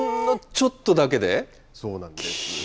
そうなんです。